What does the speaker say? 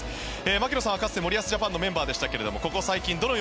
槙野さんはかつて森保ジャパンのメンバーでしたが。